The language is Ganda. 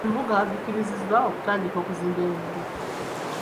Ebibuga bikiriziddwa okutandika okuzimba enguudo.